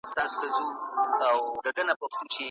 موټر چلونکی خپله چوکۍ راسموي.